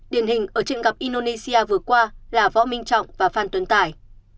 điển hình ở trận gặp indonesia vừa qua là võ minh trọng và phan tuấn tài